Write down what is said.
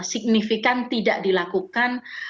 signifikan tidak dilakukan